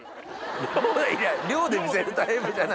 量で見せるタイプじゃないねん。